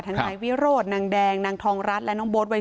ทั้งไทยวิโรธนางแดงนางทองรัฐและนางโบ๊ทวัย๑๔